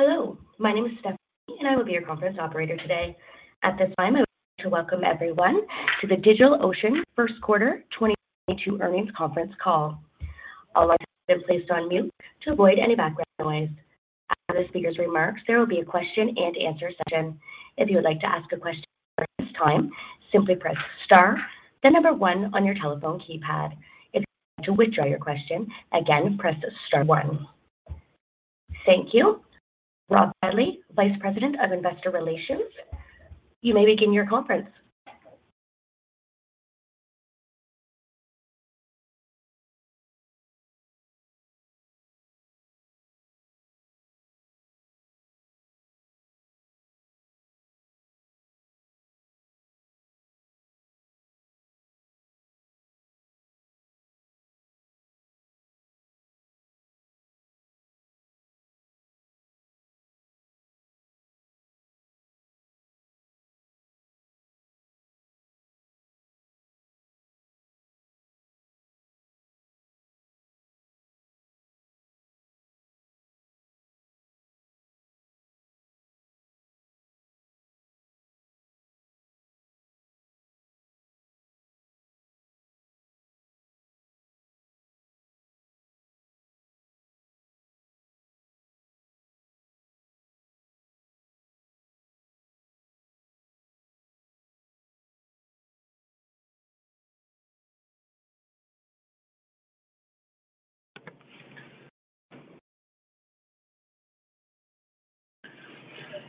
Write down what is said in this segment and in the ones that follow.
Hello, my name is Stephanie, and I will be your conference operator today. At this time, I would like to welcome everyone to the DigitalOcean first quarter 2022 earnings conference call. All lines have been placed on mute to avoid any background noise. After the speaker's remarks, there will be a question-and-answer session. If you would like to ask a question during this time, simply press star then number one on your telephone keypad. If you'd like to withdraw your question, again, press star one. Thank you. Rob Bradley, Vice President of Investor Relations, you may begin your conference.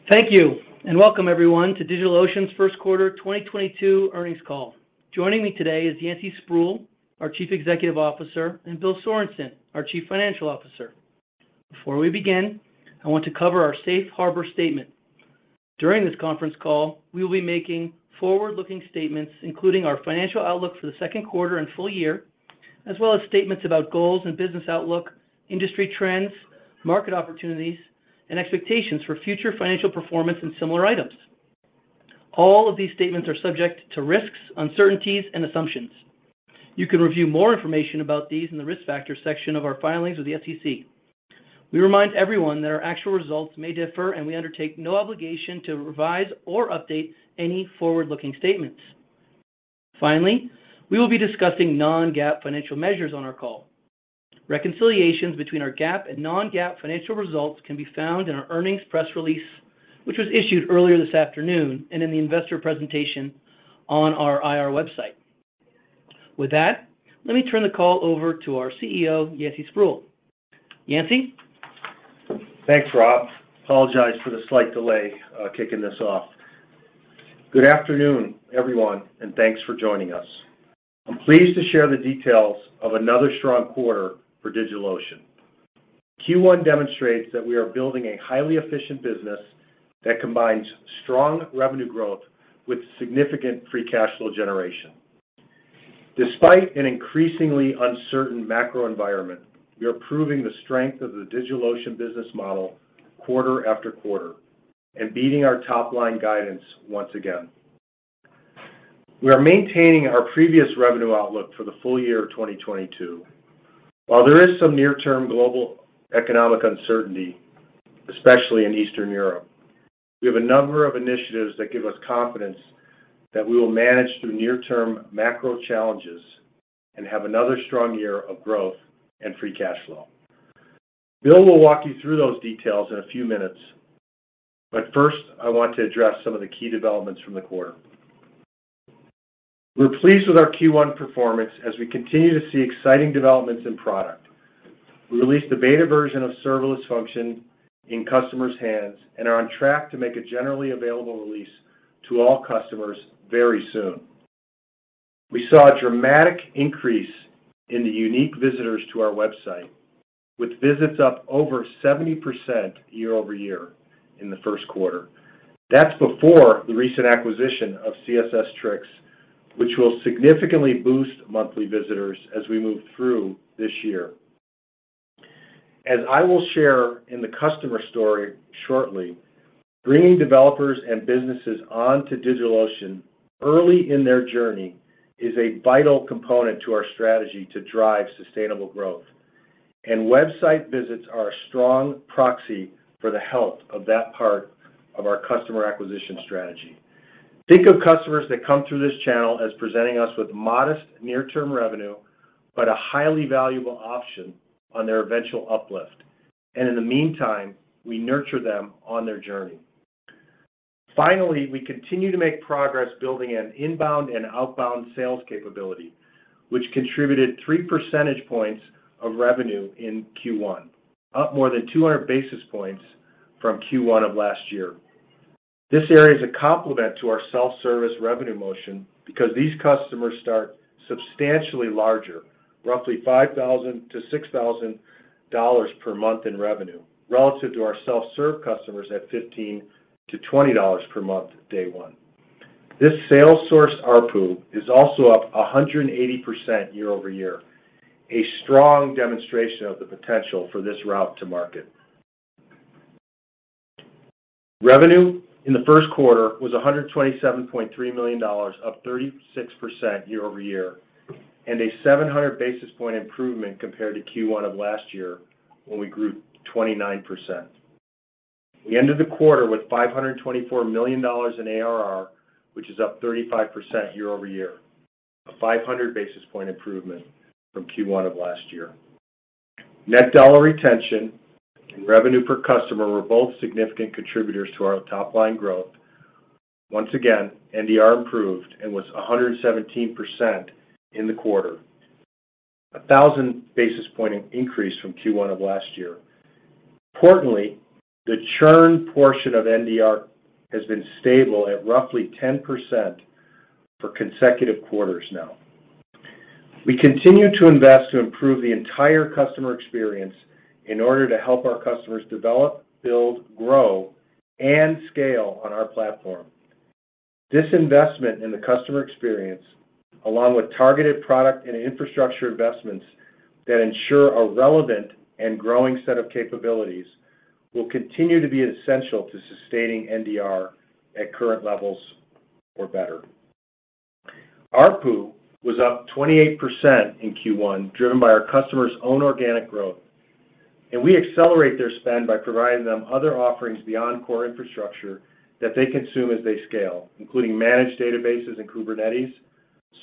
Thank you, and welcome everyone to DigitalOcean's first quarter 2022 earnings call. Joining me today is Yancey Spruill, our Chief Executive Officer, and Bill Sorenson, our Chief Financial Officer. Before we begin, I want to cover our safe harbor statement. During this conference call, we will be making forward-looking statements, including our financial outlook for the second quarter and full year, as well as statements about goals and business outlook, industry trends, market opportunities, and expectations for future financial performance and similar items. All of these statements are subject to risks, uncertainties and assumptions. You can review more information about these in the Risk Factors section of our filings with the SEC. We remind everyone that our actual results may differ, and we undertake no obligation to revise or update any forward-looking statements. Finally, we will be discussing non-GAAP financial measures on our call. Reconciliations between our GAAP and non-GAAP financial results can be found in our earnings press release, which was issued earlier this afternoon, and in the investor presentation on our IR website. With that, let me turn the call over to our CEO, Yancey Spruill. Yancey. Thanks, Rob. Apologize for the slight delay, kicking this off. Good afternoon, everyone, and thanks for joining us. I'm pleased to share the details of another strong quarter for DigitalOcean. Q1 demonstrates that we are building a highly efficient business that combines strong revenue growth with significant free cash flow generation. Despite an increasingly uncertain macro environment, we are proving the strength of the DigitalOcean business model quarter after quarter and beating our top line guidance once again. We are maintaining our previous revenue outlook for the full year of 2022. While there is some near-term global economic uncertainty, especially in Eastern Europe, we have a number of initiatives that give us confidence that we will manage through near-term macro challenges and have another strong year of growth and free cash flow. Bill will walk you through those details in a few minutes. First, I want to address some of the key developments from the quarter. We're pleased with our Q1 performance as we continue to see exciting developments in product. We released a beta version of serverless function in customers' hands and are on track to make a generally available release to all customers very soon. We saw a dramatic increase in the unique visitors to our website, with visits up over 70% year-over-year in the first quarter. That's before the recent acquisition of CSS-Tricks, which will significantly boost monthly visitors as we move through this year. As I will share in the customer story shortly, bringing developers and businesses onto DigitalOcean early in their journey is a vital component to our strategy to drive sustainable growth, and website visits are a strong proxy for the health of that part of our customer acquisition strategy. Think of customers that come through this channel as presenting us with modest near-term revenue, but a highly valuable option on their eventual uplift. In the meantime, we nurture them on their journey. Finally, we continue to make progress building an inbound and outbound sales capability, which contributed three percentage points of revenue in Q1, up more than 200 basis points from Q1 of last year. This area is a complement to our self-service revenue motion because these customers start substantially larger, roughly $5,000-$6,000 per month in revenue, relative to our self-serve customers at $15-$20 per month day one. This sales source ARPU is also up 180% year-over-year, a strong demonstration of the potential for this route to market. Revenue in the first quarter was $127.3 million, up 36% year-over-year, and a 700 basis point improvement compared to Q1 of last year when we grew 29%. We ended the quarter with $524 million in ARR, which is up 35% year-over-year, a 500 basis point improvement from Q1 of last year. Net dollar retention and revenue per customer were both significant contributors to our top-line growth. Once again, NDR improved and was 117% in the quarter, a 1,000 basis point increase from Q1 of last year. Importantly, the churn portion of NDR has been stable at roughly 10% for consecutive quarters now. We continue to invest to improve the entire customer experience in order to help our customers develop, build, grow, and scale on our platform. This investment in the customer experience, along with targeted product and infrastructure investments that ensure a relevant and growing set of capabilities, will continue to be essential to sustaining NDR at current levels or better. ARPU was up 28% in Q1, driven by our customers' own organic growth, and we accelerate their spend by providing them other offerings beyond core infrastructure that they consume as they scale, including Managed Databases and Kubernetes,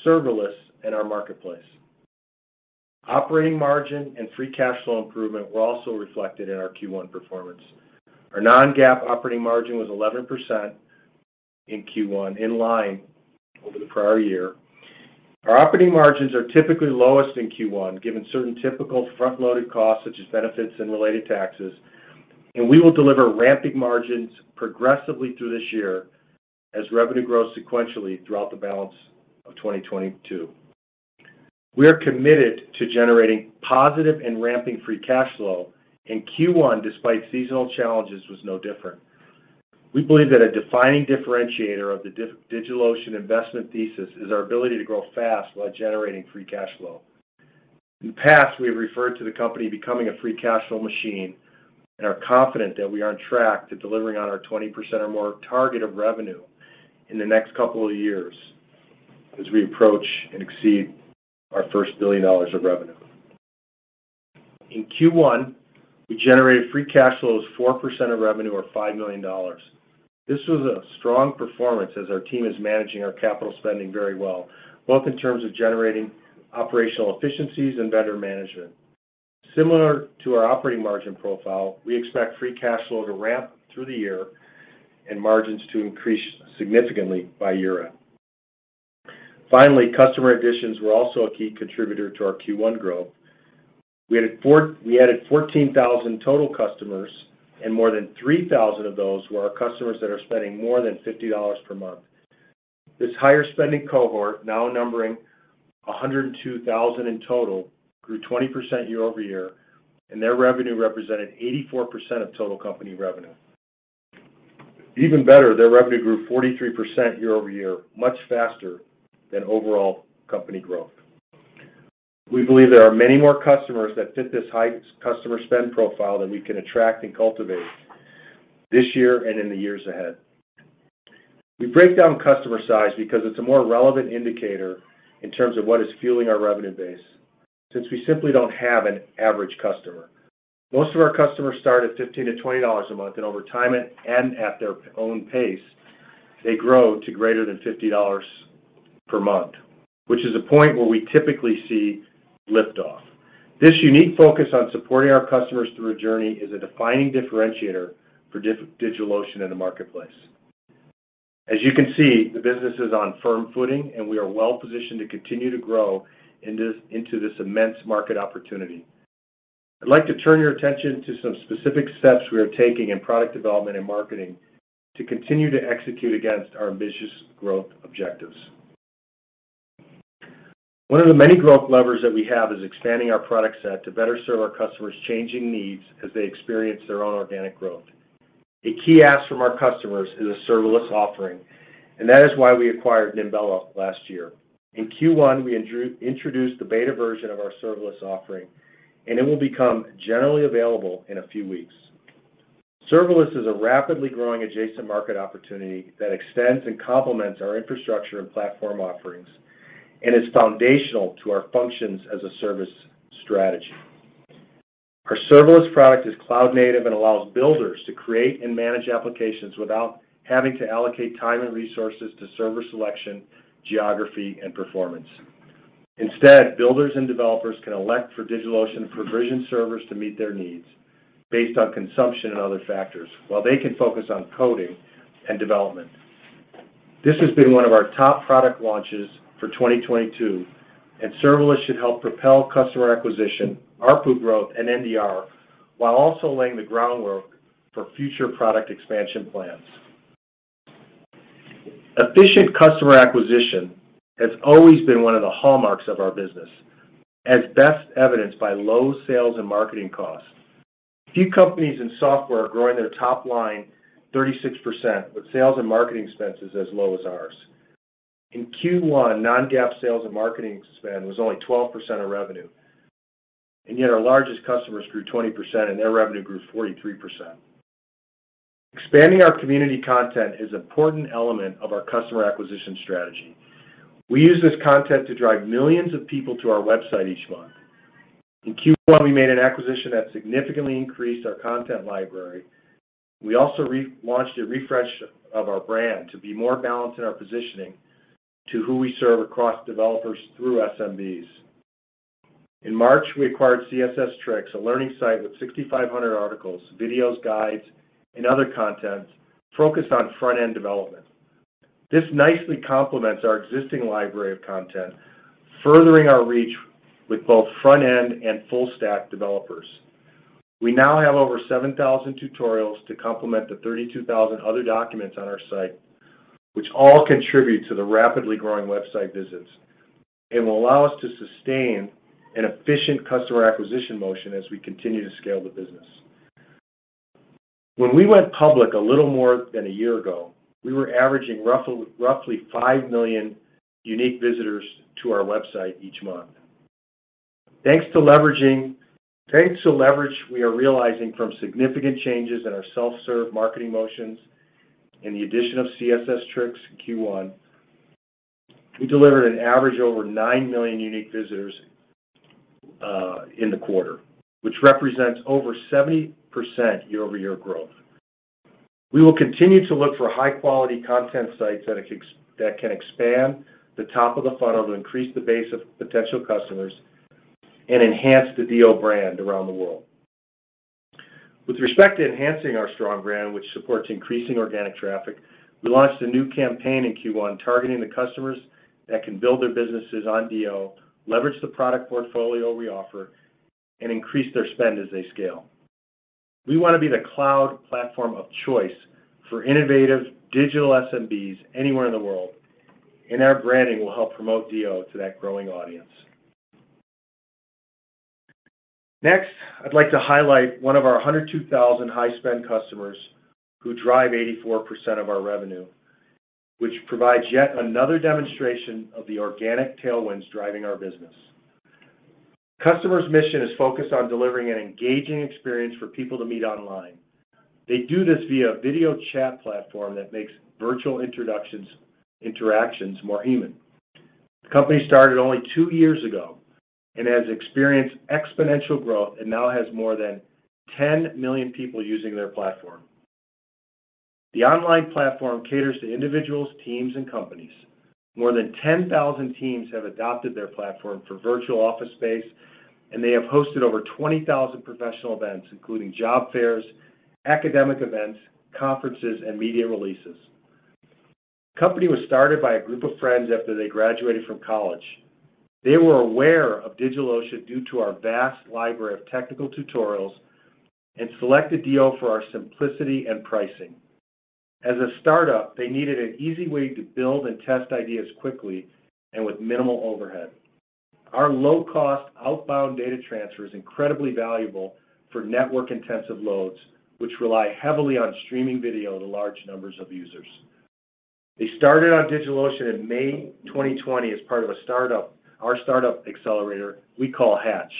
serverless, and our Marketplace. Operating margin and free cash flow improvement were also reflected in our Q1 performance. Our non-GAAP operating margin was 11% in Q1, in line with the prior year. Our operating margins are typically lowest in Q1, given certain typical front-loaded costs such as benefits and related taxes. We will deliver ramping margins progressively through this year as revenue grows sequentially throughout the balance of 2022. We are committed to generating positive and ramping free cash flow, and Q1, despite seasonal challenges, was no different. We believe that a defining differentiator of the DigitalOcean investment thesis is our ability to grow fast while generating free cash flow. In the past, we have referred to the company becoming a free cash flow machine and are confident that we are on track to delivering on our 20% or more target of revenue in the next couple of years as we approach and exceed our first $1 billion of revenue. In Q1, we generated free cash flows 4% of revenue, or $5 million. This was a strong performance as our team is managing our capital spending very well, both in terms of generating operational efficiencies and better management. Similar to our operating margin profile, we expect free cash flow to ramp through the year and margins to increase significantly by year-end. Finally, customer additions were also a key contributor to our Q1 growth. We added 14,000 total customers, and more than 3,000 of those were our customers that are spending more than $50 per month. This higher-spending cohort, now numbering 102,000 in total, grew 20% year-over-year, and their revenue represented 84% of total company revenue. Even better, their revenue grew 43% year-over-year, much faster than overall company growth. We believe there are many more customers that fit this high customer spend profile that we can attract and cultivate this year and in the years ahead. We break down customer size because it's a more relevant indicator in terms of what is fueling our revenue base, since we simply don't have an average customer. Most of our customers start at $15-$20 a month, and over time and at their own pace, they grow to greater than $50 per month, which is a point where we typically see lift off. This unique focus on supporting our customers through a journey is a defining differentiator for DigitalOcean in the marketplace. As you can see, the business is on firm footing, and we are well-positioned to continue to grow into this immense market opportunity. I'd like to turn your attention to some specific steps we are taking in product development and marketing to continue to execute against our ambitious growth objectives. One of the many growth levers that we have is expanding our product set to better serve our customers' changing needs as they experience their own organic growth. A key ask from our customers is a serverless offering, and that is why we acquired Nimbella last year. In Q1, we introduced the beta version of our serverless offering, and it will become generally available in a few weeks. Serverless is a rapidly growing adjacent market opportunity that extends and complements our infrastructure and platform offerings and is foundational to our functions as a service strategy. Our serverless product is cloud-native and allows builders to create and manage applications without having to allocate time and resources to server selection, geography, and performance. Instead, builders and developers can elect for DigitalOcean to provision servers to meet their needs based on consumption and other factors, while they can focus on coding and development. This has been one of our top product launches for 2022, and serverless should help propel customer acquisition, ARPU growth, and NDR, while also laying the groundwork for future product expansion plans. Efficient customer acquisition has always been one of the hallmarks of our business, as best evidenced by low sales and marketing costs. Few companies in software are growing their top line 36% with sales and marketing expenses as low as ours. In Q1, non-GAAP sales and marketing spend was only 12% of revenue. Yet our largest customers grew 20% and their revenue grew 43%. Expanding our community content is an important element of our customer acquisition strategy. We use this content to drive millions of people to our website each month. In Q1, we made an acquisition that significantly increased our content library. We also re-launched a refresh of our brand to be more balanced in our positioning to who we serve across developers through SMBs. In March, we acquired CSS-Tricks, a learning site with 6,500 articles, videos, guides, and other content focused on front-end development. This nicely complements our existing library of content, furthering our reach with both front-end and full-stack developers. We now have over 7,000 tutorials to complement the 32,000 other documents on our site, which all contribute to the rapidly growing website visits and will allow us to sustain an efficient customer acquisition motion as we continue to scale the business. When we went public a little more than a year ago, we were averaging roughly 5 million unique visitors to our website each month. Thanks to leverage we are realizing from significant changes in our self-serve marketing motions and the addition of CSS-Tricks in Q1, we delivered an average over 9 million unique visitors in the quarter, which represents over 70% year-over-year growth. We will continue to look for high-quality content sites that can expand the top of the funnel to increase the base of potential customers and enhance the DO brand around the world. With respect to enhancing our strong brand, which supports increasing organic traffic, we launched a new campaign in Q1 targeting the customers that can build their businesses on DO, leverage the product portfolio we offer, and increase their spend as they scale. We want to be the cloud platform of choice for innovative digital SMBs anywhere in the world, and our branding will help promote DO to that growing audience. Next, I'd like to highlight one of our 102,000 high-spend customers who drive 84% of our revenue, which provides yet another demonstration of the organic tailwinds driving our business. Customer's mission is focused on delivering an engaging experience for people to meet online. They do this via video chat platform that makes virtual introductions, interactions more human. The company started only two years ago and has experienced exponential growth and now has more than 10 million people using their platform. The online platform caters to individuals, teams, and companies. More than 10,000 teams have adopted their platform for virtual office space, and they have hosted over 20,000 professional events, including job fairs, academic events, conferences, and media releases. The company was started by a group of friends after they graduated from college. They were aware of DigitalOcean due to our vast library of technical tutorials and selected DO for our simplicity and pricing. As a startup, they needed an easy way to build and test ideas quickly and with minimal overhead. Our low-cost outbound data transfer is incredibly valuable for network-intensive loads, which rely heavily on streaming video to large numbers of users. They started on DigitalOcean in May 2020 as part of our startup accelerator we call Hatch.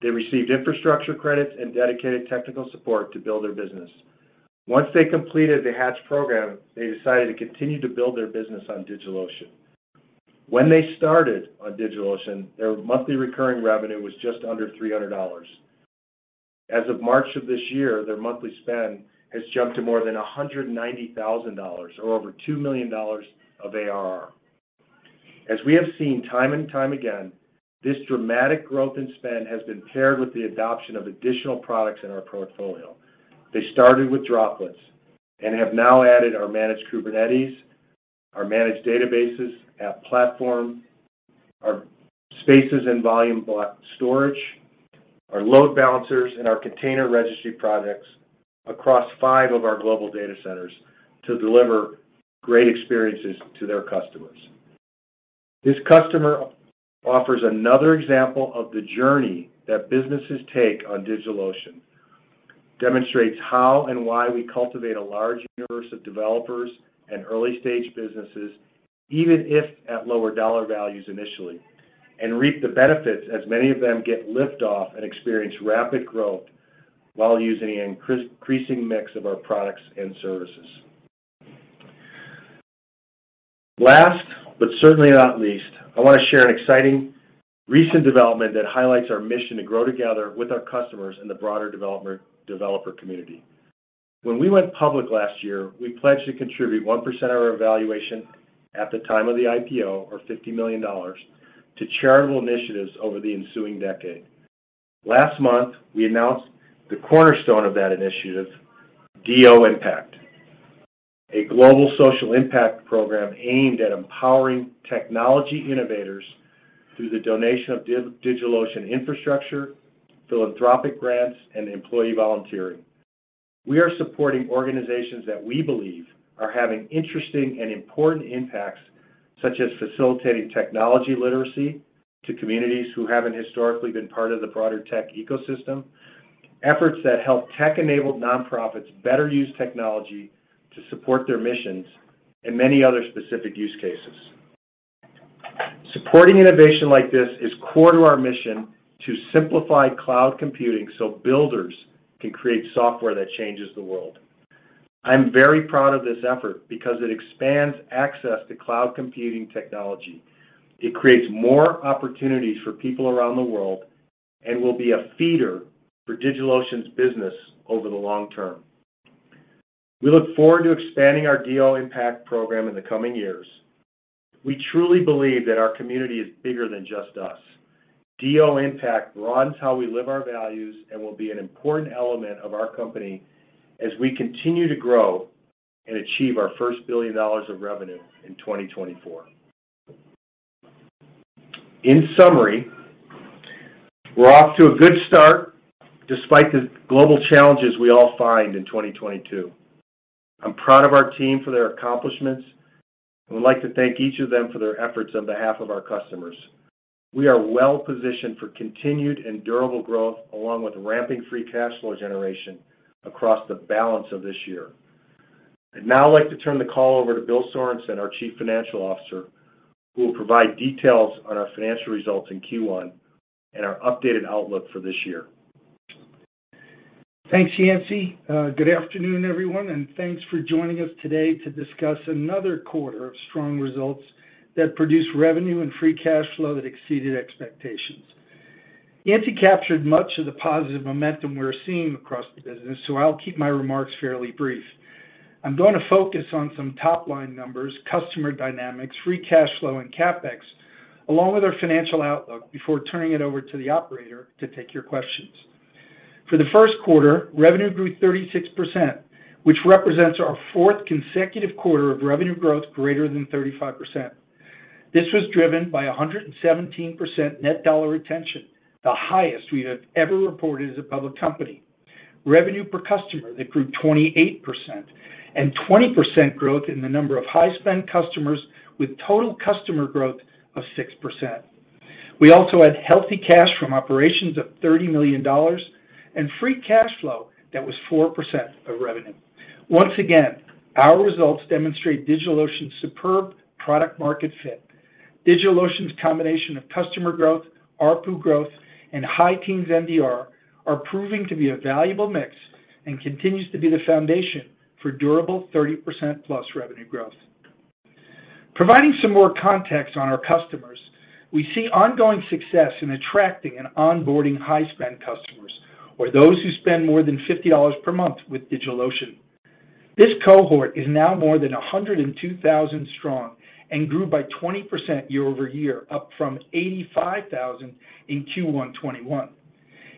They received infrastructure credits and dedicated technical support to build their business. Once they completed the Hatch program, they decided to continue to build their business on DigitalOcean. When they started on DigitalOcean, their monthly recurring revenue was just under $300. As of March of this year, their monthly spend has jumped to more than $190,000, or over $2 million of ARR. As we have seen time and time again, this dramatic growth in spend has been paired with the adoption of additional products in our portfolio. They started with Droplets and have now added our Managed Kubernetes, our Managed Databases, App Platform, our Spaces and Volumes Block Storage, our Load Balancers, and our Container Registry products across 5 of our global data centers to deliver great experiences to their customers. This customer offers another example of the journey that businesses take on DigitalOcean, demonstrates how and why we cultivate a large universe of developers and early-stage businesses, even if at lower dollar values initially, and reap the benefits as many of them get liftoff and experience rapid growth while using an increasing mix of our products and services. Last, but certainly not least, I want to share an exciting recent development that highlights our mission to grow together with our customers in the broader developer community. When we went public last year, we pledged to contribute 1% of our valuation at the time of the IPO, or $50 million, to charitable initiatives over the ensuing decade. Last month, we announced the cornerstone of that initiative, DO Impact, a global social impact program aimed at empowering technology innovators through the donation of DigitalOcean infrastructure, philanthropic grants, and employee volunteering. We are supporting organizations that we believe are having interesting and important impacts, such as facilitating technology literacy to communities who haven't historically been part of the broader tech ecosystem, efforts that help tech-enabled nonprofits better use technology to support their missions, and many other specific use cases. Supporting innovation like this is core to our mission to simplify cloud computing so builders can create software that changes the world. I'm very proud of this effort because it expands access to cloud computing technology. It creates more opportunities for people around the world and will be a feeder for DigitalOcean's business over the long term. We look forward to expanding our DO Impact program in the coming years. We truly believe that our community is bigger than just us. DO Impact runs how we live our values and will be an important element of our company as we continue to grow and achieve our first $1 billion of revenue in 2024. In summary, we're off to a good start despite the global challenges we all find in 2022. I'm proud of our team for their accomplishments, and would like to thank each of them for their efforts on behalf of our customers. We are well-positioned for continued and durable growth along with ramping free cash flow generation across the balance of this year. I'd now like to turn the call over to Bill Sorenson, our Chief Financial Officer, who will provide details on our financial results in Q1 and our updated outlook for this year. Thanks, Yancey. Good afternoon, everyone, and thanks for joining us today to discuss another quarter of strong results that produce revenue and free cash flow that exceeded expectations. Yancey captured much of the positive momentum we're seeing across the business, so I'll keep my remarks fairly brief. I'm going to focus on some top-line numbers, customer dynamics, free cash flow, and CapEx, along with our financial outlook before turning it over to the operator to take your questions. For the first quarter, revenue grew 36%, which represents our fourth consecutive quarter of revenue growth greater than 35%. This was driven by 117% net dollar retention, the highest we have ever reported as a public company. Revenue per customer that grew 28% and 20% growth in the number of high-spend customers with total customer growth of 6%. We also had healthy cash from operations of $30 million and free cash flow that was 4% of revenue. Once again, our results demonstrate DigitalOcean's superb product market fit. DigitalOcean's combination of customer growth, ARPU growth, and high teens NDR are proving to be a valuable mix and continues to be the foundation for durable 30%+ revenue growth. Providing some more context on our customers, we see ongoing success in attracting and onboarding high-spend customers or those who spend more than $50 per month with DigitalOcean. This cohort is now more than 102,000 strong and grew by 20% year-over-year, up from 85,000 in Q1 2021.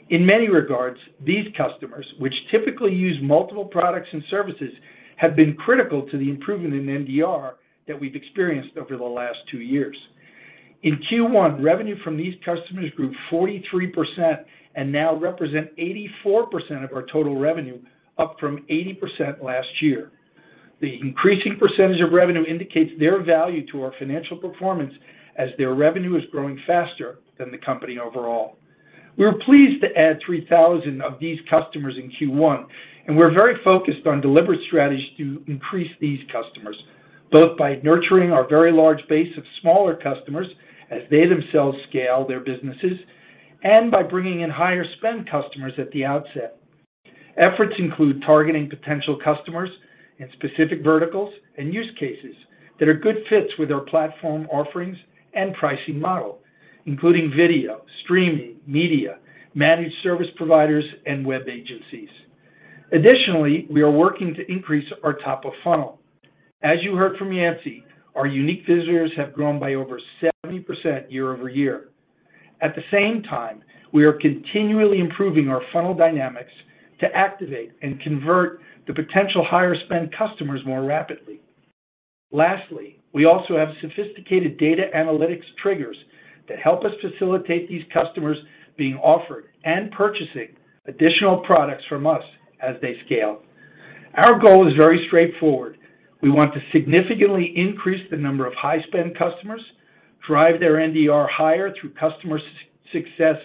In many regards, these customers, which typically use multiple products and services, have been critical to the improvement in NDR that we've experienced over the last two years. In Q1, revenue from these customers grew 43% and now represent 84% of our total revenue, up from 80% last year. The increasing percentage of revenue indicates their value to our financial performance as their revenue is growing faster than the company overall. We were pleased to add 3,000 of these customers in Q1, and we're very focused on deliberate strategies to increase these customers, both by nurturing our very large base of smaller customers as they themselves scale their businesses and by bringing in higher spend customers at the outset. Efforts include targeting potential customers in specific verticals and use cases that are good fits with our platform offerings and pricing model, including video, streaming, media, managed service providers, and web agencies. Additionally, we are working to increase our top of funnel. As you heard from Yancey, our unique visitors have grown by over 70% year-over-year. At the same time, we are continually improving our funnel dynamics to activate and convert the potential higher spend customers more rapidly. Lastly, we also have sophisticated data analytics triggers that help us facilitate these customers being offered and purchasing additional products from us as they scale. Our goal is very straightforward. We want to significantly increase the number of high spend customers, drive their NDR higher through customer success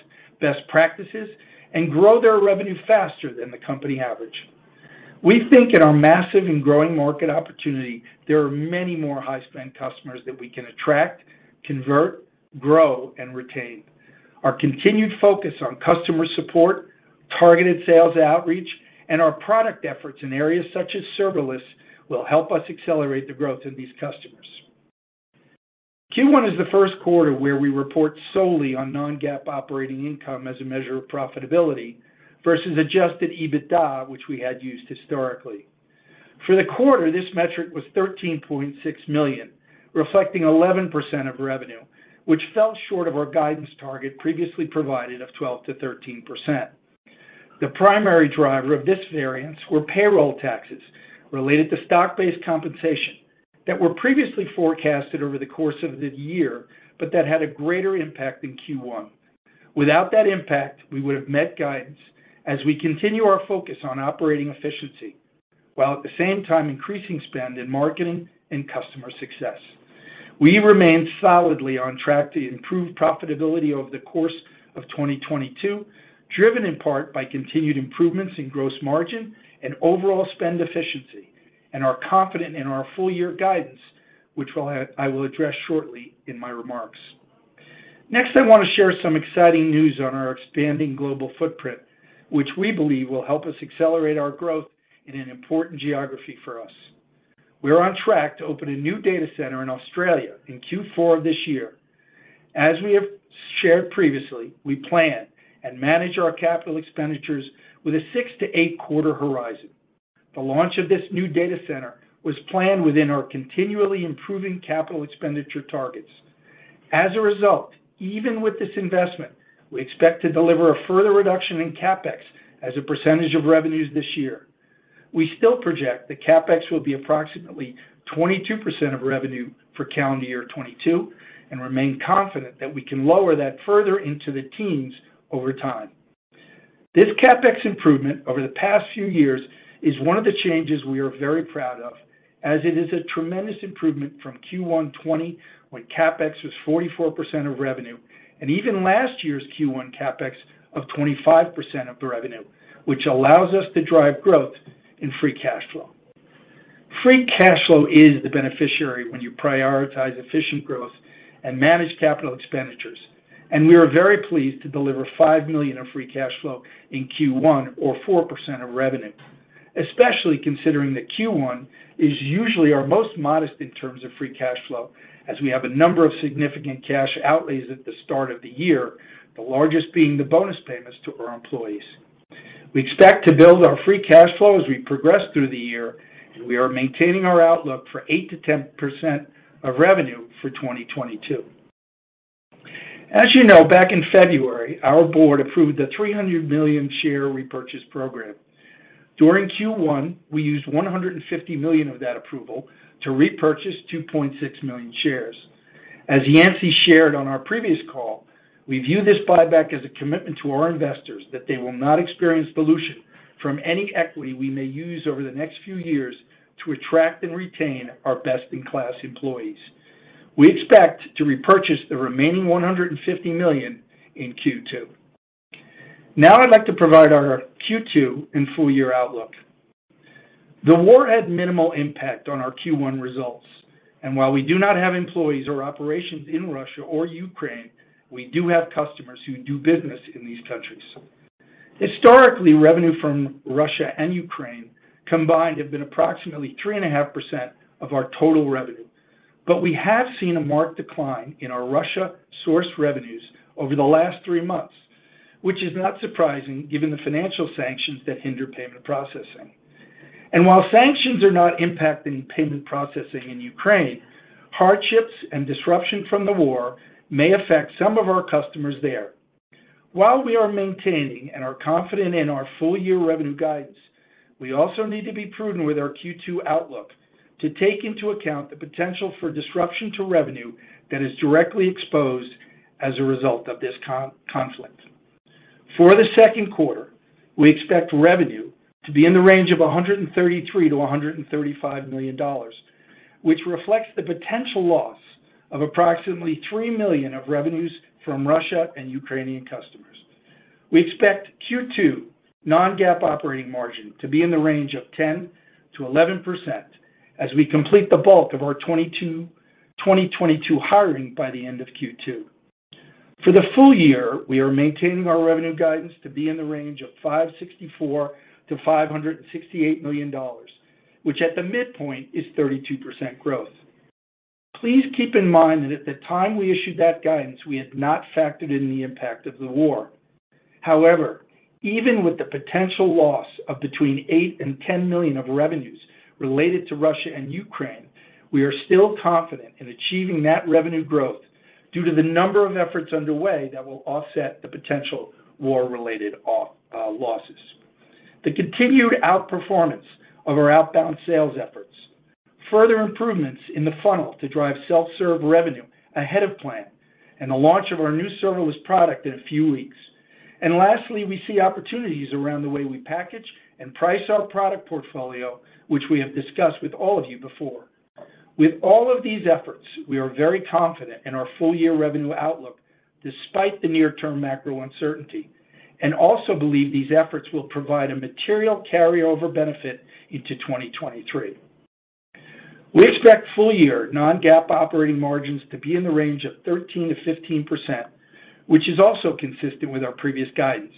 best practices, and grow their revenue faster than the company average. We think in our massive and growing market opportunity, there are many more high spend customers that we can attract, convert, grow, and retain. Our continued focus on customer support, targeted sales outreach, and our product efforts in areas such as serverless will help us accelerate the growth in these customers. Q1 is the first quarter where we report solely on non-GAAP operating income as a measure of profitability versus adjusted EBITDA, which we had used historically. For the quarter, this metric was $13.6 million, reflecting 11% of revenue, which fell short of our guidance target previously provided of 12%-13%. The primary driver of this variance were payroll taxes related to stock-based compensation that were previously forecasted over the course of the year, but that had a greater impact in Q1. Without that impact, we would have met guidance as we continue our focus on operating efficiency, while at the same time increasing spend in marketing and customer success. We remain solidly on track to improve profitability over the course of 2022, driven in part by continued improvements in gross margin and overall spend efficiency, and are confident in our full year guidance, which I will address shortly in my remarks. Next, I want to share some exciting news on our expanding global footprint, which we believe will help us accelerate our growth in an important geography for us. We are on track to open a new data center in Australia in Q4 of this year. As we have shared previously, we plan and manage our capital expenditures with a six to eight quarter horizon. The launch of this new data center was planned within our continually improving capital expenditure targets. As a result, even with this investment, we expect to deliver a further reduction in CapEx as a percentage of revenues this year. We still project that CapEx will be approximately 22% of revenue for calendar year 2022, and remain confident that we can lower that further into the teens over time. This CapEx improvement over the past few years is one of the changes we are very proud of, as it is a tremendous improvement from Q1 2020 when CapEx was 44% of revenue, and even last year's Q1 CapEx of 25% of the revenue, which allows us to drive growth in free cash flow. Free cash flow is the beneficiary when you prioritize efficient growth and manage capital expenditures, and we are very pleased to deliver $5 million in free cash flow in Q1, or 4% of revenue, especially considering that Q1 is usually our most modest in terms of free cash flow, as we have a number of significant cash outlays at the start of the year, the largest being the bonus payments to our employees. We expect to build our free cash flow as we progress through the year, and we are maintaining our outlook for 8%-10% of revenue for 2022. As you know, back in February, our board approved the $300 million share repurchase program. During Q1, we used $150 million of that approval to repurchase 2.6 million shares. As Yancey shared on our previous call, we view this buyback as a commitment to our investors that they will not experience dilution from any equity we may use over the next few years to attract and retain our best-in-class employees. We expect to repurchase the remaining $150 million in Q2. Now I'd like to provide our Q2 and full year outlook. The war had minimal impact on our Q1 results, and while we do not have employees or operations in Russia or Ukraine, we do have customers who do business in these countries. Historically, revenue from Russia and Ukraine combined have been approximately 3.5% of our total revenue. We have seen a marked decline in our Russia-sourced revenues over the last three months, which is not surprising given the financial sanctions that hinder payment processing. While sanctions are not impacting payment processing in Ukraine, hardships and disruption from the war may affect some of our customers there. While we are maintaining and are confident in our full-year revenue guidance, we also need to be prudent with our Q2 outlook to take into account the potential for disruption to revenue that is directly exposed as a result of this conflict. For the second quarter, we expect revenue to be in the range of $133 million-$135 million, which reflects the potential loss of approximately $3 million of revenues from Russia and Ukrainian customers. We expect Q2 non-GAAP operating margin to be in the range of 10%-11% as we complete the bulk of our 2022 hiring by the end of Q2. For the full year, we are maintaining our revenue guidance to be in the range of $564-$568 million, which at the midpoint is 32% growth. Please keep in mind that at the time we issued that guidance, we had not factored in the impact of the war. However, even with the potential loss of between $8 million and $10 million of revenues related to Russia and Ukraine, we are still confident in achieving that revenue growth due to the number of efforts underway that will offset the potential war-related losses. The continued outperformance of our outbound sales efforts, further improvements in the funnel to drive self-serve revenue ahead of plan, and the launch of our new serverless product in a few weeks. Lastly, we see opportunities around the way we package and price our product portfolio, which we have discussed with all of you before. With all of these efforts, we are very confident in our full-year revenue outlook despite the near-term macro uncertainty, and also believe these efforts will provide a material carryover benefit into 2023. We expect full-year non-GAAP operating margins to be in the range of 13%-15%, which is also consistent with our previous guidance.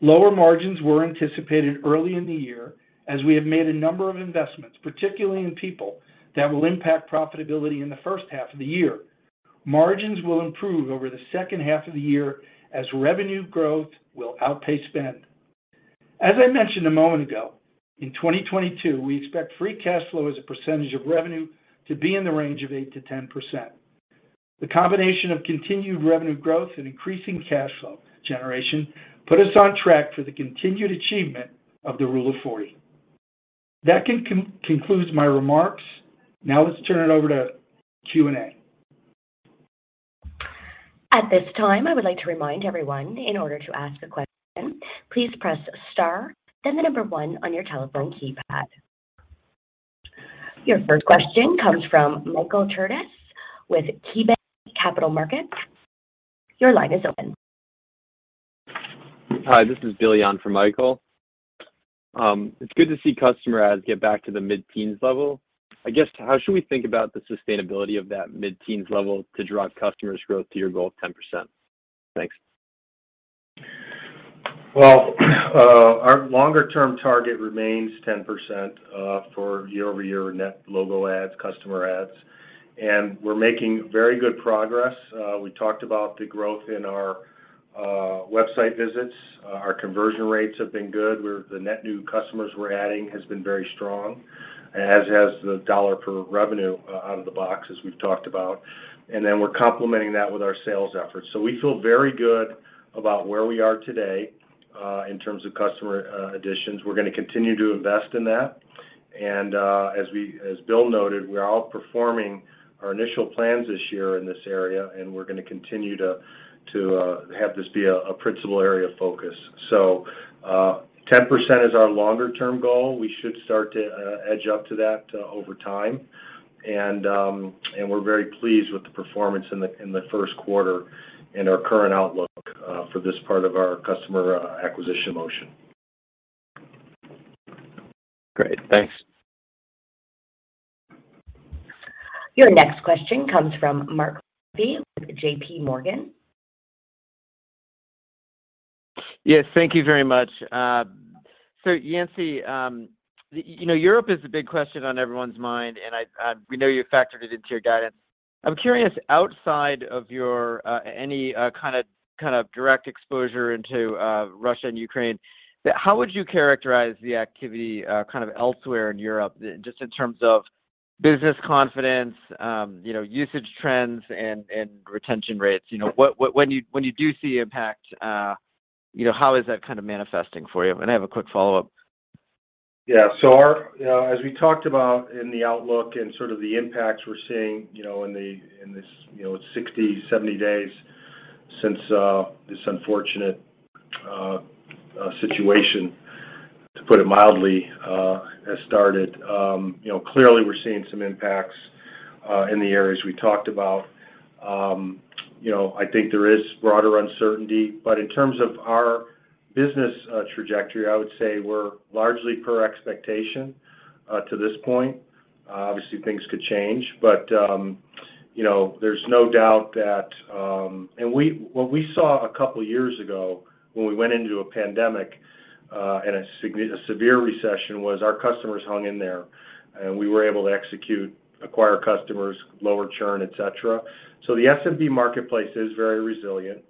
Lower margins were anticipated early in the year as we have made a number of investments, particularly in people, that will impact profitability in the first half of the year. Margins will improve over the second half of the year as revenue growth will outpace spend. As I mentioned a moment ago, in 2022, we expect free cash flow as a percentage of revenue to be in the range of 8%-10%. The combination of continued revenue growth and increasing cash flow generation put us on track for the continued achievement of the Rule of 40. That concludes my remarks. Now let's turn it over to Q&A. At this time, I would like to remind everyone, in order to ask a question, please press star then the number 1 on your telephone keypad. Your first question comes from Michael Turits with KeyBanc Capital Markets. Your line is open. Hi, this is Billy Han for Michael. It's good to see customer adds get back to the mid-teens level. I guess, how should we think about the sustainability of that mid-teens level to drive customer growth to your goal of 10%? Thanks. Well, our longer-term target remains 10% for year-over-year net logo adds, customer adds, and we're making very good progress. We talked about the growth in our website visits. Our conversion rates have been good, where the net new customers we're adding has been very strong, as has the dollar per revenue out of the box, as we've talked about. We're complementing that with our sales efforts. We feel very good about where we are today, in terms of customer additions. We're gonna continue to invest in that. As Bill noted, we're outperforming our initial plans this year in this area, and we're gonna continue to have this be a principal area of focus. 10% is our longer term goal. We should start to edge up to that over time. We're very pleased with the performance in the first quarter and our current outlook for this part of our customer acquisition motion. Great. Thanks. Your next question comes from Mark Murphy with JP Morgan. Yes, thank you very much. Yancey, you know, Europe is a big question on everyone's mind, and I, we know you factored it into your guidance. I'm curious, outside of your any kind of direct exposure into Russia and Ukraine, how would you characterize the activity kind of elsewhere in Europe, just in terms of business confidence, you know, usage trends and retention rates? You know, what. When you do see impact, you know, how is that kind of manifesting for you? And I have a quick follow-up. You know, as we talked about in the outlook and sort of the impacts we're seeing, you know, in this, you know, 60-70 days since this unfortunate situation, to put it mildly, has started, you know, clearly we're seeing some impacts in the areas we talked about. You know, I think there is broader uncertainty. In terms of our business trajectory, I would say we're largely per expectation to this point. Obviously things could change. You know, there's no doubt that what we saw a couple years ago when we went into a pandemic and a severe recession was our customers hung in there, and we were able to execute, acquire customers, lower churn, et cetera. The SMB marketplace is very resilient.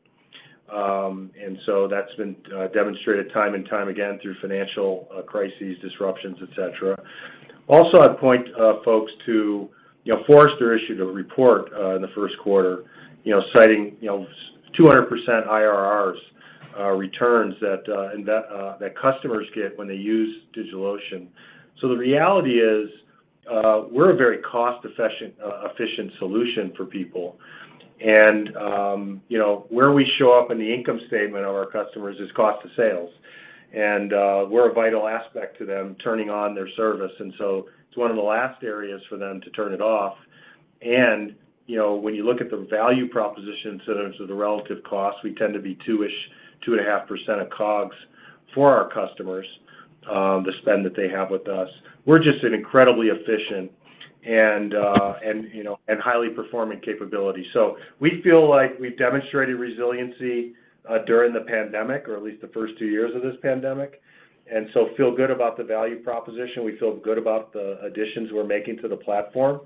That's been demonstrated time and time again through financial crises, disruptions, et cetera. Also, I'd point folks to, you know, Forrester issued a report in the first quarter, you know, citing, you know, 200% IRRs returns that customers get when they use DigitalOcean. The reality is, we're a very cost-efficient solution for people. You know, where we show up in the income statement of our customers is cost of sales. We're a vital aspect of them turning on their service, and it's one of the last areas for them to turn it off. You know, when you look at the value proposition in terms of the relative cost, we tend to be two-ish, 2.5% of COGS for our customers, the spend that they have with us. We're just an incredibly efficient and highly performing capability. We feel like we've demonstrated resiliency during the pandemic, or at least the first two years of this pandemic, and feel good about the value proposition. We feel good about the additions we're making to the platform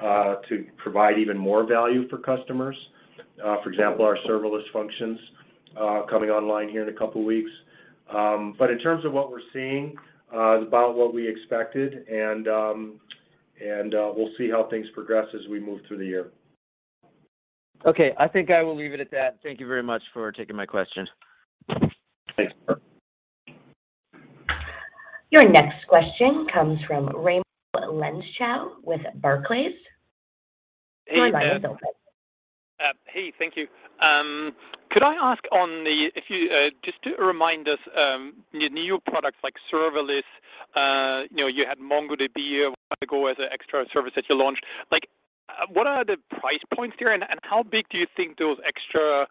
to provide even more value for customers, for example, our serverless functions coming online here in a couple weeks. In terms of what we're seeing about what we expected, and we'll see how things progress as we move through the year. Okay. I think I will leave it at that. Thank you very much for taking my question. Thanks. Your next question comes from Raimo Lenschow with Barclays. Your line is open. Hey, thank you. Could I ask if you just to remind us new products like serverless, you know, you had MongoDB a while ago as an extra service that you launched. Like, what are the price points there, and how big do you think those extra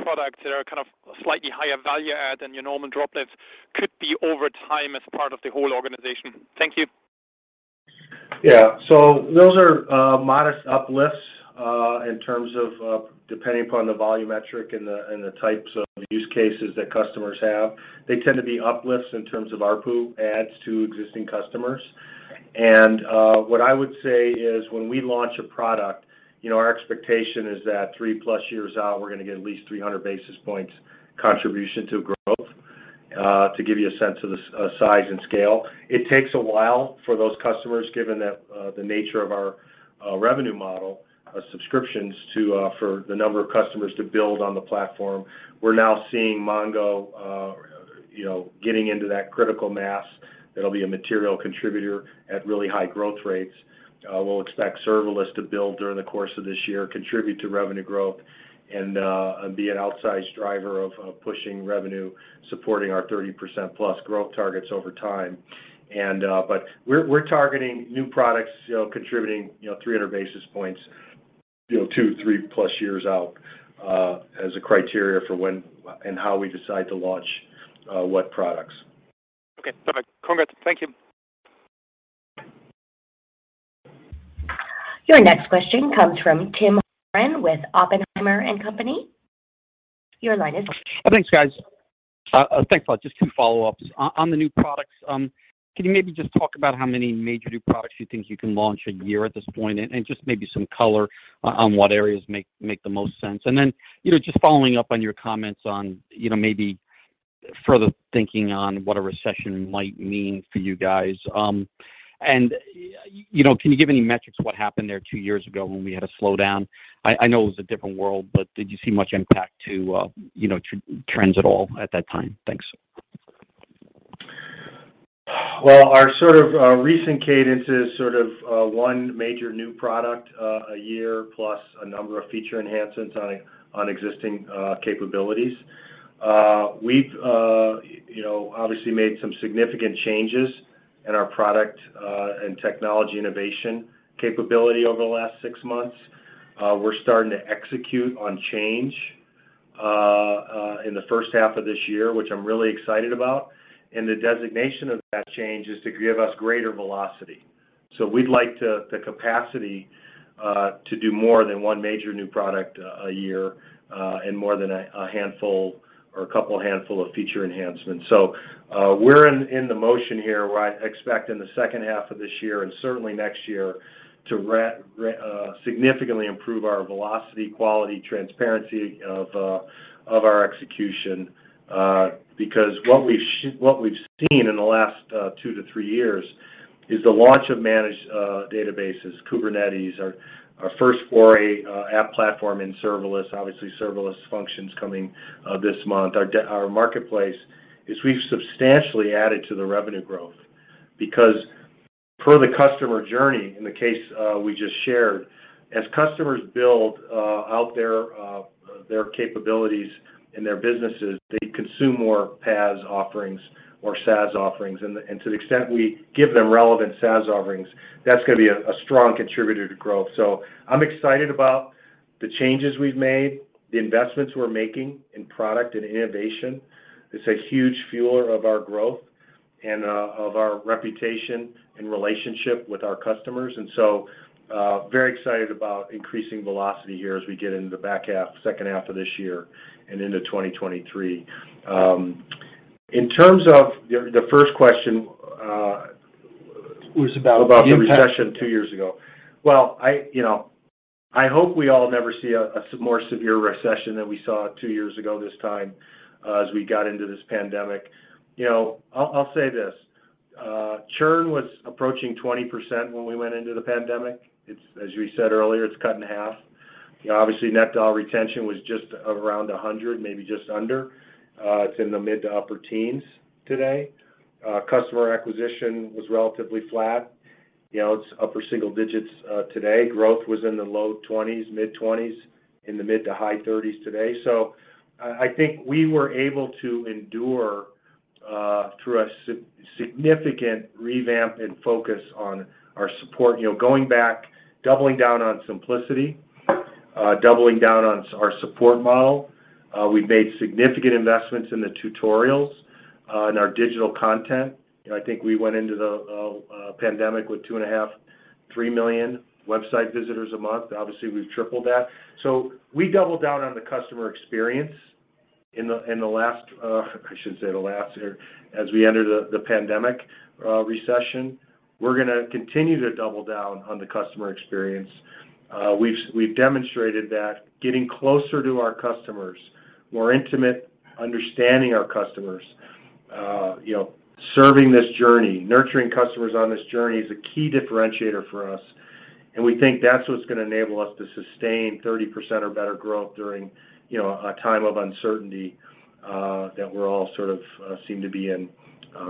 products that are kind of slightly higher value add than your normal Droplets could be over time as part of the whole organization? Thank you. Yeah. Those are modest uplifts in terms of depending upon the volumetric and the types of use cases that customers have. They tend to be uplifts in terms of ARPU adds to existing customers. What I would say is when we launch a product, you know, our expectation is that three plus years out, we're gonna get at least 300 basis points contribution to growth to give you a sense of the size and scale. It takes a while for those customers, given that the nature of our revenue model, subscriptions to for the number of customers to build on the platform. We're now seeing Mongo, you know, getting into that critical mass that'll be a material contributor at really high growth rates. We'll expect serverless to build during the course of this year, contribute to revenue growth and be an outsized driver of pushing revenue, supporting our 30%+ growth targets over time. We're targeting new products, you know, contributing, you know, 300 basis points ,two to three plus years out, as a criteria for when and how we decide to launch what products. Okay. Perfect. Congrats. Thank you. Your next question comes from Tim Horan with Oppenheimer & Co. Your line is open. Thanks, guys. Thanks a lot. Just two follow-ups. On the new products, can you maybe just talk about how many major new products you think you can launch a year at this point, and just maybe some color on what areas make the most sense? You know, just following up on your comments on, you know, maybe further thinking on what a recession might mean for you guys. You know, can you give any metrics what happened there two years ago when we had a slowdown? I know it was a different world, but did you see much impact to, you know, trends at all at that time? Thanks. Well, our sort of recent cadence is sort of one major new product a year plus a number of feature enhancements on existing capabilities. We've, you know, obviously made some significant changes in our product and technology innovation capability over the last six months. We're starting to execute on change in the first half of this year, which I'm really excited about. The designation of that change is to give us greater velocity. We'd like the capacity to do more than one major new product a year, and more than a handful or a couple handful of feature enhancements. We're in the motion here where I expect in the second half of this year and certainly next year to significantly improve our velocity, quality, transparency of our execution. Because what we've seen in the last two to three years is the launch of Managed Databases, Kubernetes, our first App Platform in serverless, obviously serverless functions coming this month. Our Marketplace, as we've substantially added to the revenue growth. Because per the customer journey, in the case we just shared, as customers build out their capabilities and their businesses, they consume more PaaS offerings or SaaS offerings. To the extent we give them relevant SaaS offerings, that's gonna be a strong contributor to growth. I'm excited about the changes we've made, the investments we're making in product and innovation. It's a huge fueler of our growth and of our reputation and relationship with our customers. Very excited about increasing velocity here as we get into the back half, second half of this year and into 2023. In terms of the first question. Was about the impact. About the recession two years ago. I hope we all never see a more severe recession than we saw two years ago this time, as we got into this pandemic. I'll say this, churn was approaching 20% when we went into the pandemic. As we said earlier, it's cut in half. Obviously net dollar retention was just around 100, maybe just under. It's in the mid- to upper teens today. Customer acquisition was relatively flat. It's upper single digits today. Growth was in the low 20s, mid-20s, in the mid- to high 30s today. I think we were able to endure through a significant revamp and focus on our support. You know, going back, doubling down on simplicity, doubling down on our support model. We've made significant investments in the tutorials, in our digital content. You know, I think we went into the pandemic with 2.5, 3 million website visitors a month. Obviously, we've tripled that. We doubled down on the customer experience in the last, I shouldn't say the last, or as we entered the pandemic recession. We're gonna continue to double down on the customer experience. We've demonstrated that getting closer to our customers, more intimate, understanding our customers, you know, serving this journey, nurturing customers on this journey is a key differentiator for us. We think that's what's gonna enable us to sustain 30% or better growth during, you know, a time of uncertainty, that we're all sort of seem to be in,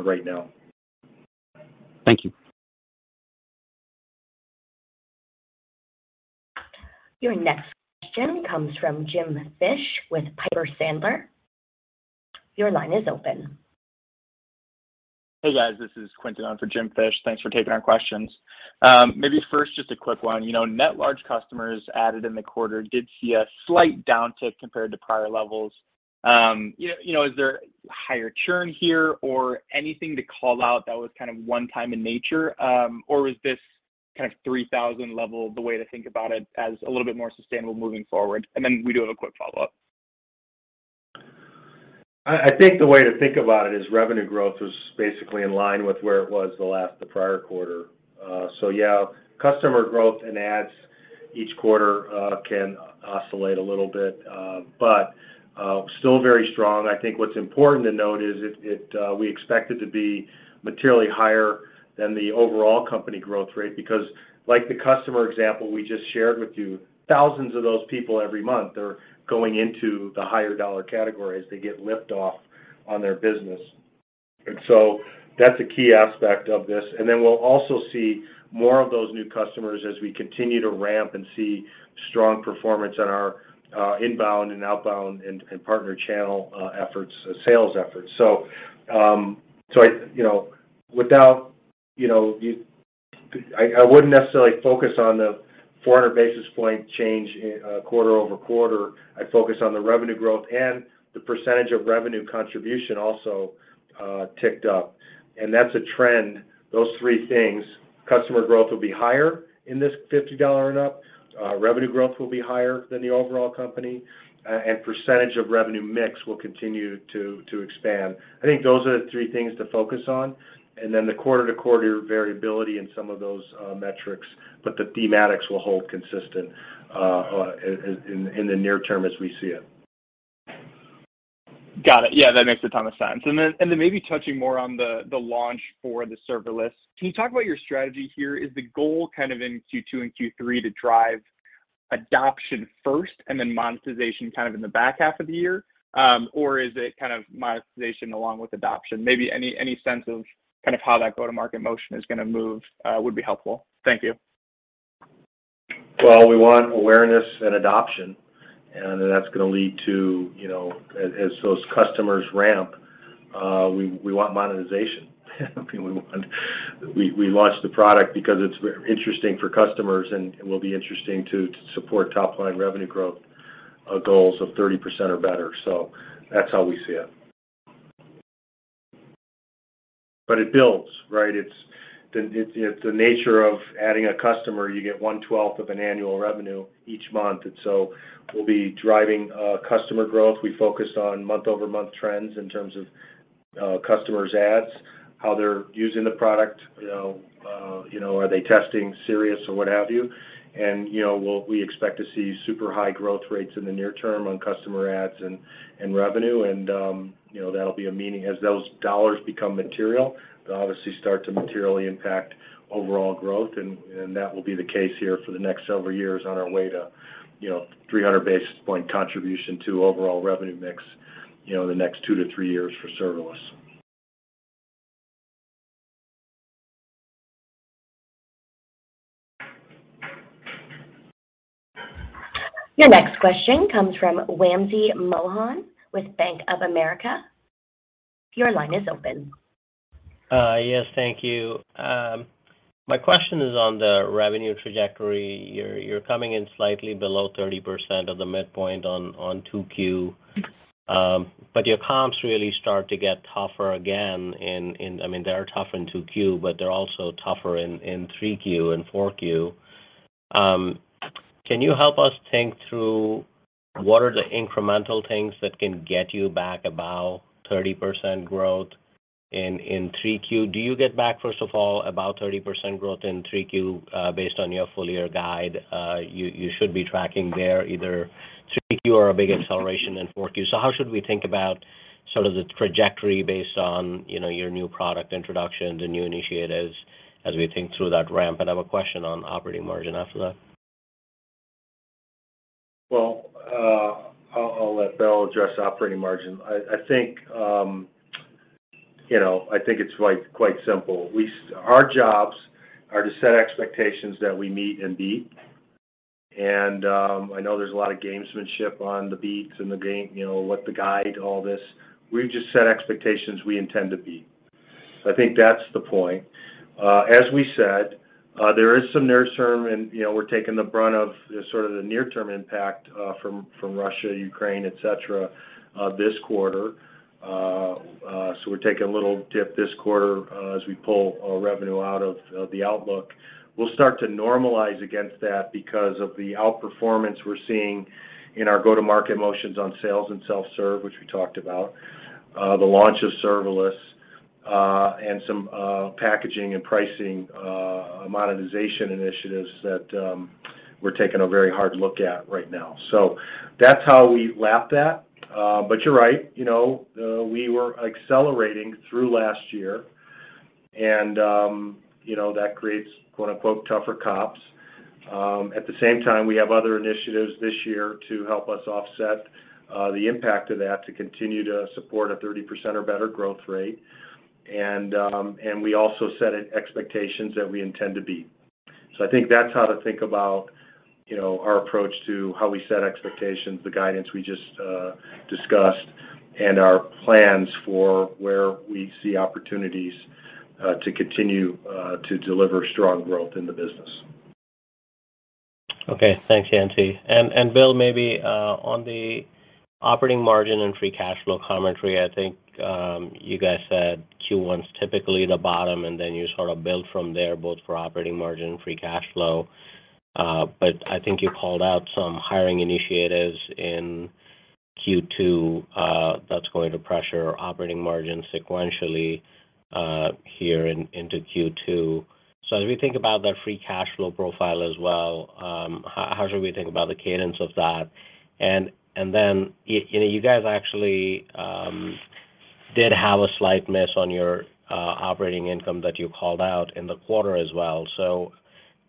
right now. Thank you. Your next question comes from James Fish with Piper Sandler. Your line is open. Hey, guys. This is Quinton on for Jim Fish. Thanks for taking our questions. Maybe first, just a quick one. You know, net large customers added in the quarter did see a slight downtick compared to prior levels. You know, is there higher churn here or anything to call out that was kind of one-time in nature? Or was this kind of 3,000 level the way to think about it as a little bit more sustainable moving forward? We do have a quick follow-up. I think the way to think about it is revenue growth was basically in line with where it was the prior quarter. Yeah, customer growth and adds each quarter can oscillate a little bit, but still very strong. I think what's important to note is we expect it to be materially higher than the overall company growth rate. Because like the customer example we just shared with you, thousands of those people every month are going into the higher dollar categories. They get lift off on their business. That's a key aspect of this. We'll also see more of those new customers as we continue to ramp and see strong performance on our inbound and outbound and partner channel efforts, sales efforts. You know, I wouldn't necessarily focus on the 400 basis points change quarter-over-quarter. I'd focus on the revenue growth and the percentage of revenue contribution also ticked up. That's a trend, those three things. Customer growth will be higher in this $50 and up, revenue growth will be higher than the overall company, and percentage of revenue mix will continue to expand. I think those are the three things to focus on, and then the quarter-to-quarter variability in some of those metrics, but the thematics will hold consistent in the near term as we see it. Got it. Yeah, that makes a ton of sense. Maybe touching more on the launch for the serverless. Can you talk about your strategy here? Is the goal kind of in Q2 and Q3 to drive adoption first and then monetization kind of in the back half of the year? Or is it kind of monetization along with adoption? Maybe any sense of kind of how that go-to-market motion is gonna move would be helpful. Thank you. Well, we want awareness and adoption, and that's gonna lead to, you know, as those customers ramp, we want monetization. I mean, we want. We launched the product because it's very interesting for customers and will be interesting to support top-line revenue growth goals of 30% or better. That's how we see it. It builds, right? It's the nature of adding a customer. You get one twelfth of an annual revenue each month, and so we'll be driving customer growth. We focused on month-over-month trends in terms of customer adds, how they're using the product, you know, are they testing Sirius or what have you. You know, we expect to see super high growth rates in the near term on customer adds and revenue, you know, that'll be as those dollars become material, they'll obviously start to materially impact overall growth and that will be the case here for the next several years on our way to, you know, 300 basis point contribution to overall revenue mix, you know, the next two to three years for serverless. Your next question comes from Wamsi Mohan with Bank of America. Your line is open. Yes, thank you. My question is on the revenue trajectory. You're coming in slightly below 30% of the midpoint on 2Q. But your comps really start to get tougher again. I mean, they are tough in 2Q, but they're also tougher in 3Q and 4Q. Can you help us think through what are the incremental things that can get you back about 30% growth in 3Q? Do you get back, first of all, about 30% growth in 3Q based on your full year guide? You should be tracking there either 3Q or a big acceleration in 4Q. How should we think about sort of the trajectory based on, you know, your new product introduction, the new initiatives as we think through that ramp? I have a question on operating margin after that. Well, I'll let Bill address operating margin. I think, you know, I think it's like quite simple. Our jobs are to set expectations that we meet and beat. I know there's a lot of gamesmanship on the beats and the game, you know, what the guide, all this. We just set expectations we intend to beat. I think that's the point. As we said, there is some near-term and, you know, we're taking the brunt of sort of the near-term impact, from Russia, Ukraine, et cetera, this quarter. So we're taking a little dip this quarter, as we pull revenue out of the outlook. We'll start to normalize against that because of the outperformance we're seeing in our go-to-market motions on sales and self-serve, which we talked about, the launch of serverless, and some packaging and pricing monetization initiatives that we're taking a very hard look at right now. That's how we lap that. You're right, you know, we were accelerating through last year and, you know, that creates quote-unquote, "tougher comps." At the same time, we have other initiatives this year to help us offset the impact of that to continue to support a 30% or better growth rate. We also set expectations that we intend to beat. I think that's how to think about, you know, our approach to how we set expectations, the guidance we just discussed, and our plans for where we see opportunities to continue to deliver strong growth in the business. Okay. Thanks, Andy. Bill, maybe on the operating margin and free cash flow commentary, I think you guys said Q1's typically the bottom, and then you sort of build from there both for operating margin and free cash flow. But I think you called out some hiring initiatives in Q2, that's going to pressure operating margin sequentially into Q2. As we think about that free cash flow profile as well, how should we think about the cadence of that? Then, you know, you guys actually did have a slight miss on your operating income that you called out in the quarter as well.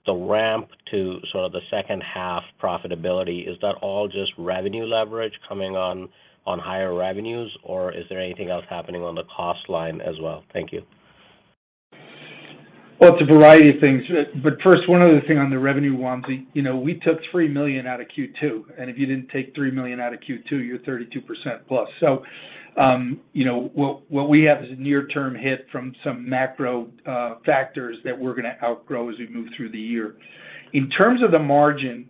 The ramp to sort of the second half profitability, is that all just revenue leverage coming on higher revenues, or is there anything else happening on the cost line as well? Thank you. Well, it's a variety of things. First, one other thing on the revenue one, Wamsi. You know, we took $3 million out of Q2, and if you didn't take $3 million out of Q2, you're 32% plus. You know, what we have is a near-term hit from some macro factors that we're gonna outgrow as we move through the year. In terms of the margin,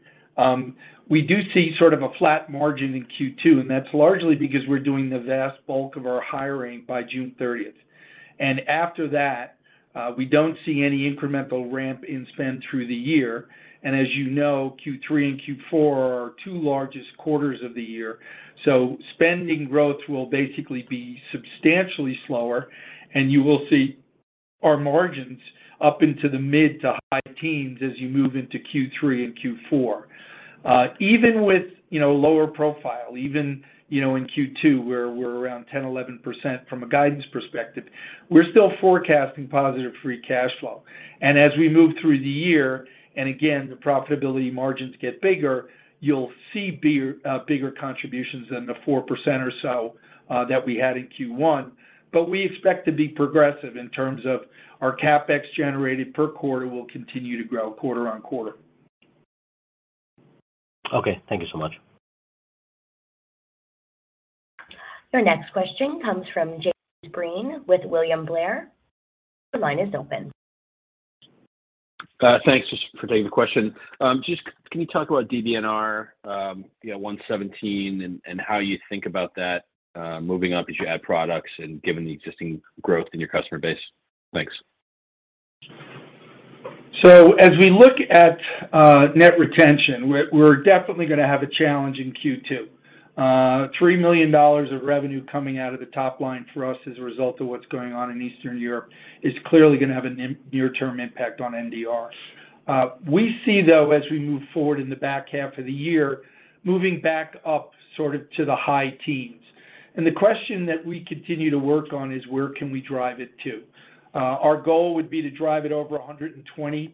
we do see sort of a flat margin in Q2, and that's largely because we're doing the vast bulk of our hiring by June thirtieth. After that, we don't see any incremental ramp in spend through the year. As you know, Q3 and Q4 are our two largest quarters of the year, so spending growth will basically be substantially slower. You will see our margins up into the mid- to high teens% as you move into Q3 and Q4. Even with, you know, lower profile, you know, in Q2, we're around 10%-11% from a guidance perspective, we're still forecasting positive free cash flow. As we move through the year, and again, the profitability margins get bigger, you'll see bigger contributions than the 4% or so that we had in Q1. We expect to be progressive in terms of our CapEx generated per quarter will continue to grow quarter-over-quarter. Okay. Thank you so much. Your next question comes from Jim Breen with William Blair. Your line is open. Thanks for taking the question. Just can you talk about DBNER, you know, 117 and how you think about that moving up as you add products and given the existing growth in your customer base? Thanks. As we look at net retention, we're definitely gonna have a challenge in Q2. $3 million of revenue coming out of the top line for us as a result of what's going on in Eastern Europe is clearly gonna have a near-term impact on NDR. We see, though, as we move forward in the back half of the year, moving back up sort of to the high teens. The question that we continue to work on is where can we drive it to? Our goal would be to drive it over 120%.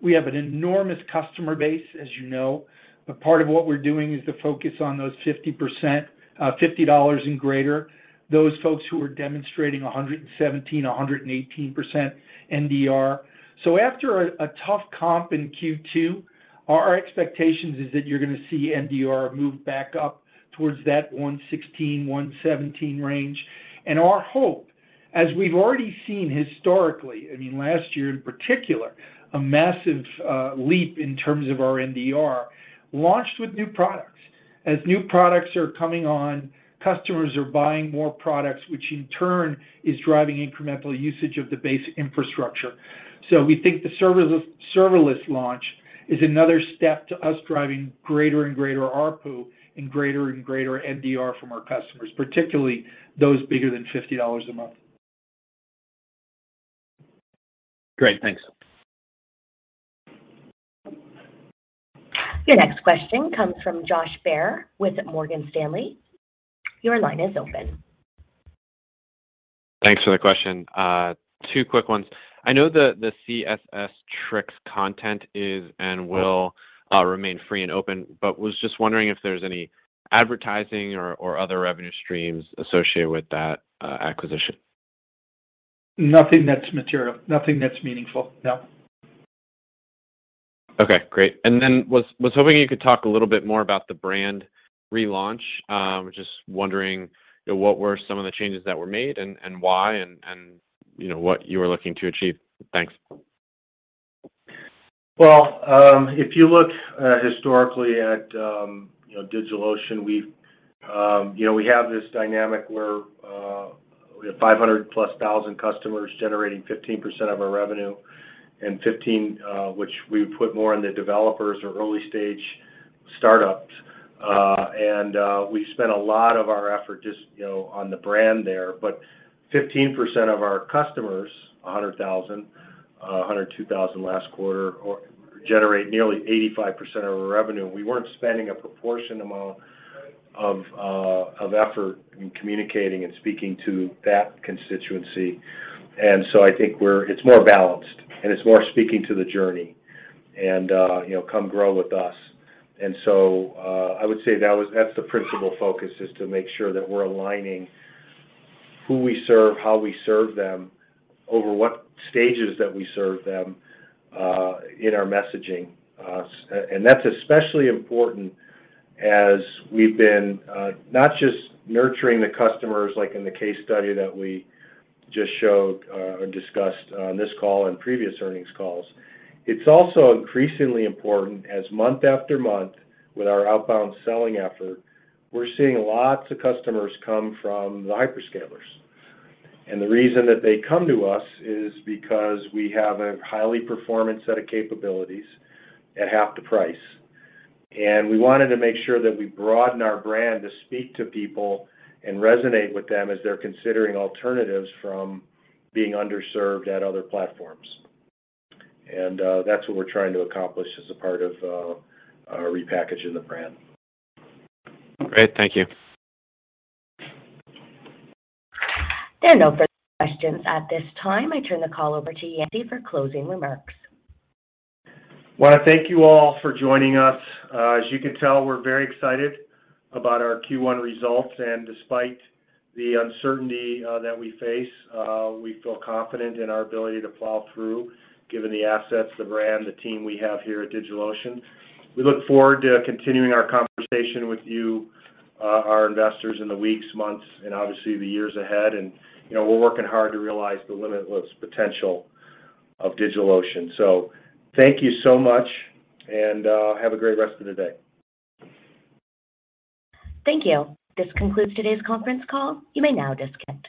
We have an enormous customer base, as you know. A part of what we're doing is to focus on those 50%, $50 and greater, those folks who are demonstrating 117%, 118% NDR. After a tough comp in Q2, our expectations is that you're gonna see NDR move back up towards that 116%-117% range. Our hope, as we've already seen historically, I mean, last year in particular, a massive leap in terms of our NDR launched with new products. As new products are coming on, customers are buying more products, which in turn is driving incremental usage of the base infrastructure. We think the serverless launch is another step to us driving greater and greater ARPU and greater and greater NDR from our customers, particularly those bigger than $50 a month. Great. Thanks. Your next question comes from Josh Baer with Morgan Stanley. Your line is open. Thanks for the question. Two quick ones. I know the CSS-Tricks content is and will remain free and open, but was just wondering if there's any advertising or other revenue streams associated with that acquisition. Nothing that's material. Nothing that's meaningful, no. Okay, great. Was hoping you could talk a little bit more about the brand relaunch. Just wondering what were some of the changes that were made and why and you know what you are looking to achieve. Thanks. Well, if you look historically at, you know, DigitalOcean, we've, you know, we have this dynamic where we have 500,000+ customers generating 15% of our revenue, which we put more in the developers or early-stage startups. We spent a lot of our effort just, you know, on the brand there. 15% of our customers, 100,000, 102,000 last quarter, generate nearly 85% of our revenue. We weren't spending a proportionate amount of effort in communicating and speaking to that constituency. I think it's more balanced, and it's more speaking to the journey and, you know, come grow with us. I would say that's the principal focus, is to make sure that we're aligning who we serve, how we serve them, over what stages that we serve them, in our messaging. That's especially important as we've been not just nurturing the customers, like in the case study that we just showed or discussed on this call and previous earnings calls. It's also increasingly important as month after month with our outbound selling effort, we're seeing lots of customers come from the hyperscalers. The reason that they come to us is because we have a highly performant set of capabilities at half the price. We wanted to make sure that we broaden our brand to speak to people and resonate with them as they're considering alternatives from being underserved at other platforms. That's what we're trying to accomplish as a part of repackaging the brand. Great. Thank you. There are no further questions at this time. I turn the call over to Yancey for closing remarks. I wanna thank you all for joining us. As you can tell, we're very excited about our Q1 results. Despite the uncertainty that we face, we feel confident in our ability to plow through, given the assets, the brand, the team we have here at DigitalOcean. We look forward to continuing our conversation with you, our investors in the weeks, months, and obviously the years ahead. You know, we're working hard to realize the limitless potential of DigitalOcean. Thank you so much, and have a great rest of the day. Thank you. This concludes today's conference call. You may now disconnect.